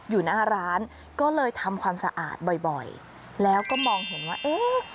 อยู่หน้าร้านก็เลยทำความสะอาดบ่อยบ่อยแล้วก็มองเห็นว่าเอ๊ะ